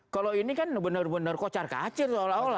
kalau ini kan benar benar kocar kacir